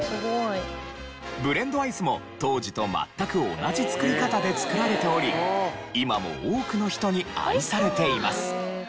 ブレンドアイスも当時と全く同じ作り方で作られており今も多くの人に愛されています。